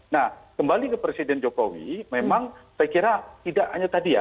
nah kembali ke presiden jokowi memang saya kira tidak hanya tadi ya